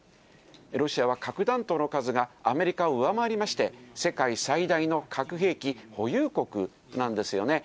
ロシアは核弾頭の数がアメリカを上回りまして、世界最大の核兵器保有国なんですよね。